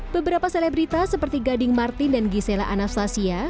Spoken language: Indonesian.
beberapa selebritas seperti gading martin dan gisela anastasia